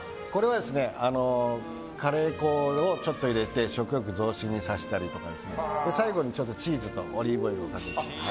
カレー粉をちょっと入れて食欲増進させたりとか最後にチーズとオリーブオイルを。